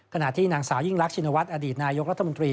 ขณะที่นางสายิ่งลักษณวัฒน์ชินวัฏอดีตนายกรุงรัฐมนุษย์